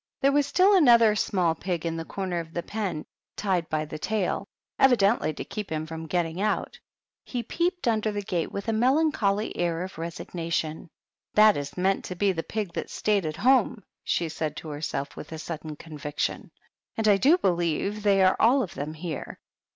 There was still another PEGGY THE PIG. small pig in the corner of the pen, tied by the tail, evidently to keep him from getting out; he peeped under the gate with a melancholy air of "That is meant to be the pig that stayed at home," she said to herself, with sudden conviction, "and I do believe they are all of them here.